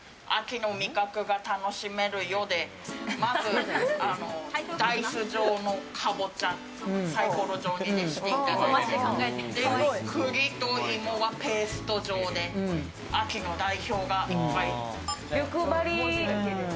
「秋の味覚がたのしめるよ。」で、ダイス状のかぼちゃ、サイコロ状にしていただいて、そして、栗と芋はペースト状で、秋の代表がいっぱい。